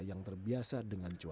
yang terbelakang di indonesia